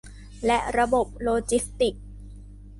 และระบบโลจิสติกส์